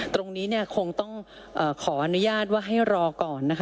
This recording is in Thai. ตรงนี้คงต้องขออนุญาตว่าให้รอก่อนนะคะ